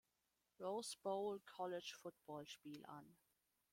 Rose Bowl College-Football-Spiel an.